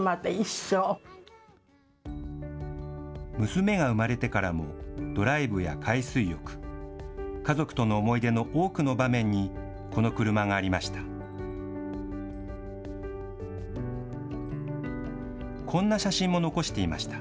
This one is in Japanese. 娘が産まれてからも、ドライブや海水浴、家族との思い出の多くの場面にこの車がありました。